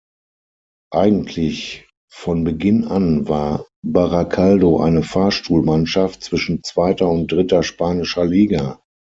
Eigentlich von Beginn an war Barakaldo eine Fahrstuhlmannschaft zwischen zweiter und dritter spanischer Liga.